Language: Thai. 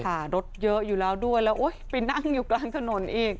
ค่ะรถเยอะอยู่แล้วด้วยแล้วไปนั่งอยู่กลางถนนอีก